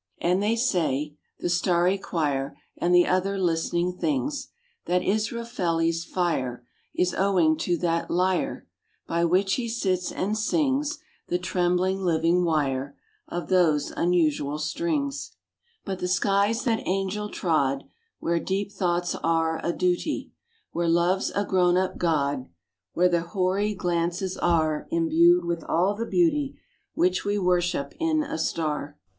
And they say (the starry choir And the other listening things) That Israfeli's fire Is owing to that lyre By which he sits and sings, The trembling living wire Of those unusual strings. RAINBOW GOLD But the skies that angel trod, Where deep thoughts are a duty, Where Love's a grown up God, Where the Hour! glances are Imbued with all the beauty Which we worship in a star.